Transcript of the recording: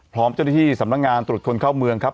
พร้อมเจ้าหน้าที่สำนักงานตรวจคนเข้าเมืองครับ